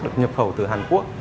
được nhập khẩu từ hàn quốc